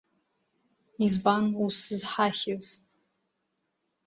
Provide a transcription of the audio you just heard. Избан ус зҳахьыз?